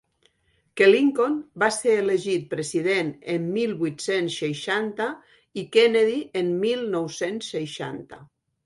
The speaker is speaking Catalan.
Que Lincoln va ser elegit president en mil vuit-cents seixanta i Kennedy en mil nou-cents seixanta.